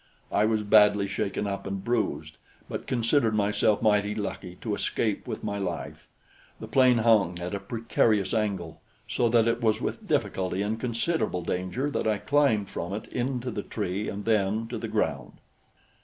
I was badly shaken up and bruised, but considered myself mighty lucky to escape with my life. The plane hung at a precarious angle, so that it was with difficulty and considerable danger that I climbed from it into the tree and then to the ground.